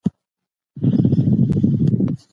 چاپېريال چلند اغېزمن کوي.